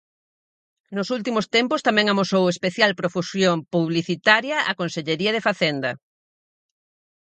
Nos últimos tempos tamén amosou especial profusión publicitaria a Consellería de Facenda.